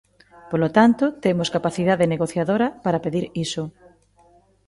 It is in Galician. Polo tanto, temos capacidade negociadora para pedir iso.